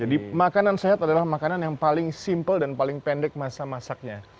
jadi makanan sehat adalah makanan yang paling simple dan paling pendek masa masaknya